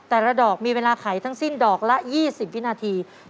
แต่ละดอกมีเวลาไขทั้งสิ้นดอกละ๒๐วินาที